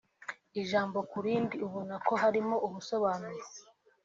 ijambo kurindi ubona ko harimo ubusobanuro